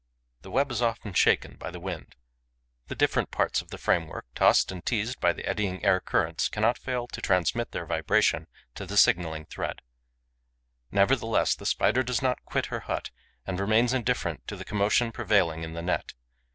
The web is often shaken by the wind. The different parts of the framework, tossed and teased by the eddying air currents, cannot fail to transmit their vibration to the signalling thread. Nevertheless, the Spider does not quit her hut and remains indifferent to the commotion prevailing in the net.